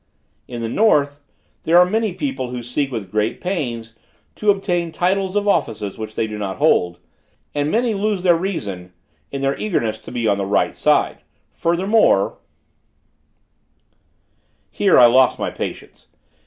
"In the north, there are many people who seek with great pains to obtain titles of offices which they do not hold; and many lose their reason in their eagerness to be on the right side. Furthermore," Here I lost my patience.